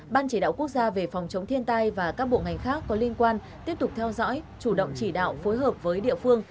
ban chỉ đạo quốc gia về phòng chống thiên tai và các bộ ngành khác có liên quan tiếp tục theo dõi chủ động chỉ đạo phối hợp với địa phương